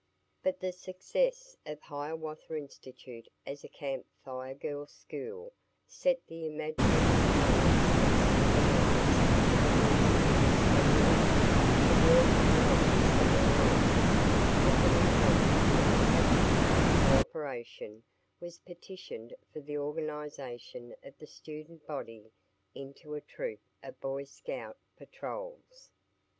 But the success of Hiawatha Institute as a Camp Fire Girls' school set the imaginative minds of some of the leaders of the boys at Spring Lake to work along similar lines, with the result that the faculty's cooperation was petitioned for the organization of the student body into a troop of Boy Scout patrols.